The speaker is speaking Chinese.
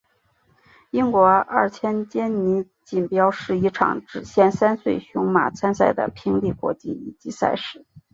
英国二千坚尼锦标是一场只限三岁雄马参赛的平地国际一级赛事。